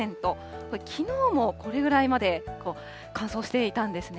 これ、きのうもこれぐらいまで乾燥していたんですね。